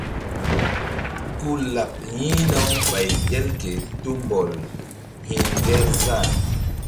Ku laɓ yi̧hna-u ɓay el ke tumbɔl hi̧ŋgerzah.